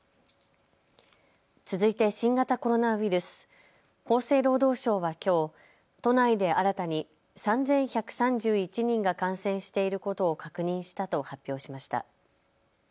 続いて新型コロナウイルス、厚生労働省はきょう都内で新たに３１３１人が感染していることを確認したと発表しました。